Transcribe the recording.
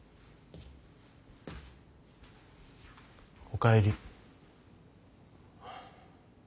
おかえり。